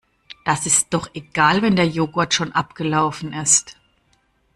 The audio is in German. Das ist doch egal wenn der Joghurt schon abgelaufen ist.